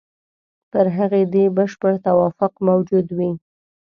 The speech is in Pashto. پر هغې دې بشپړ توافق موجود وي.